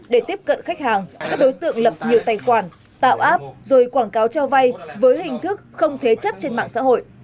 để tiếp cận khách hàng các đối tượng lập nhiều tài khoản tạo app rồi quảng cáo cho vay với hình thức không thế chấp trên mạng xã hội